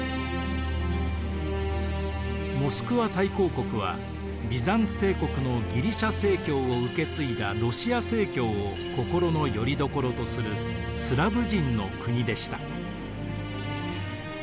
モスクワ大公国はビザンツ帝国のギリシア正教を受け継いだロシア正教を心のよりどころとするスラヴ人の国でした。